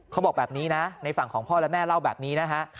เขาบอกแบบนี้นะในฝั่งของพ่อและแม่เล่าแบบนี้นะฮะ